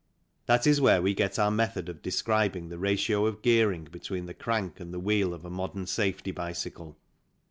That is where we get our method of describing the ratio of gearing between the crank and the wheel of a modern safety bicycle.